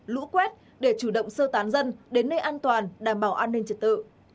lũ quét để chủ động sơ tán dân đến nơi an toàn đảm bảo an ninh trật tự